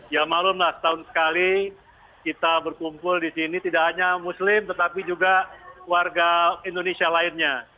ya malam lah setahun sekali kita berkumpul di sini tidak hanya muslim tetapi juga warga indonesia lainnya